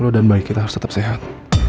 lo dan bayi kita harus tetap sehat